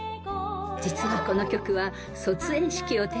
［実はこの曲は］